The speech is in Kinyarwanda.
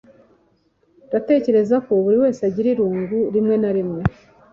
Ndatekereza ko buriwese agira irungu rimwe na rimwe.